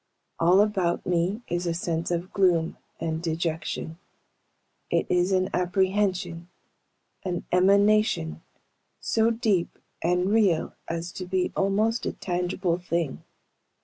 All about me is a sense of gloom and dejection. It is an apprehension an emanation so deep and real as to be almost a tangible thing.